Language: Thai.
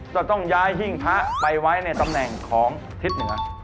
จะต้องย้ายหิ้งพระไปไว้ในตำแหน่งของทิศเหนือ